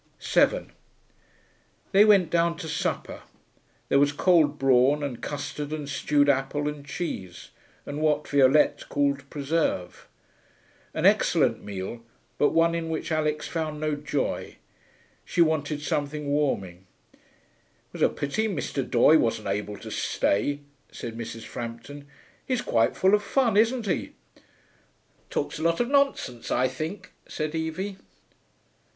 7 They went down to supper. There was cold brawn, and custard, and stewed apple, and cheese, and what Violette called preserve. An excellent meal, but one in which Alix found no joy. She wanted something warming. 'It was a pity Mr. Doye wasn't able to stay,' said Mrs. Frampton. 'He's quite full of fun, isn't he?' 'Talks a lot of nonsense, I think,' said Evie.